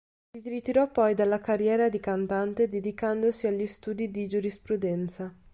Si ritirò poi dalla carriera di cantante dedicandosi agli studi di giurisprudenza.